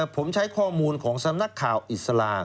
ผมใช้ข้อมูลของสำนักข่าวอิสลา